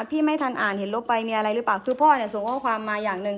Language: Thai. พี่ไม่ทันอ่านเห็นลบไปมีอะไรหรือเปล่าคือพ่อเนี่ยส่งข้อความมาอย่างหนึ่ง